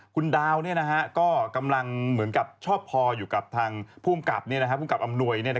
คุณดาวน์ก็กำลังเหมือนกับชอบพออยู่กับทางผู้อำนวย